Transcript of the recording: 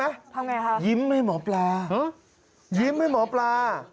ทำอย่างไรครับยิ้มให้หมอปลายิ้มให้หมอปลา